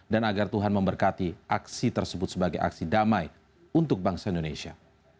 dan agar tuhan memberkati aksi tersebut sebagai aksi damai untuk bangsa indonesia